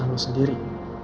dan merasa lo sendiri